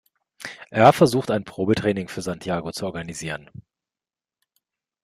Er versucht ein Probetraining für Santiago zu organisieren.